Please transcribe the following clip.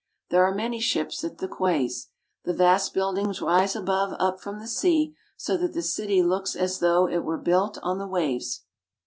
There are many ships at the quays ; the vast buildings rise right up from the sea, so that the city looks as though it were built on the waves.